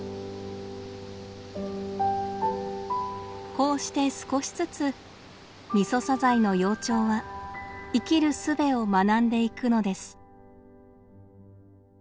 こうして少しずつミソサザイの幼鳥は生きるすべを学んでいくのです。